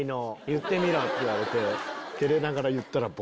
「言ってみろ」って言われて。